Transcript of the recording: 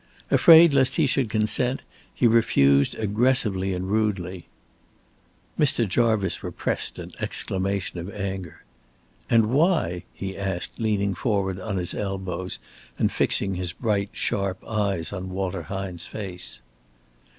Afraid lest he should consent, he refused aggressively and rudely. Mr. Jarvice repressed an exclamation of anger. "And why?" he asked, leaning forward on his elbows and fixing his bright, sharp eyes on Walter Hine's face.